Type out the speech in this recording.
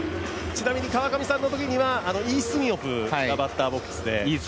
ちなみに川上さんのときにはイ・スンヨプがバッターで。